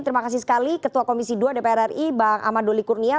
terima kasih sekali ketua komisi ii dpr ri bang amadoli kurnia